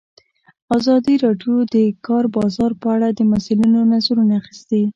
ازادي راډیو د د کار بازار په اړه د مسؤلینو نظرونه اخیستي.